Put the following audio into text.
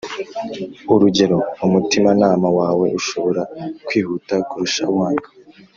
Urugero umutimanama wawe ushobora kwihuta kurush uwanjye